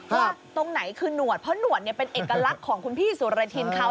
ว่าตรงไหนคือหนวดเพราะหนวดเป็นเอกลักษณ์ของคุณพี่สุรทินเขา